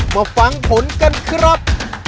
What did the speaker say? มาฟังผลกันครับ